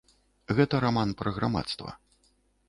Гэта раман пра грамадства.